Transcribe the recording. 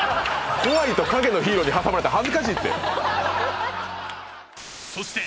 怖いと陰のヒーローに挟まれて恥ずかしいって